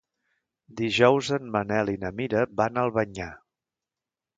Dijous en Manel i na Mira van a Albanyà.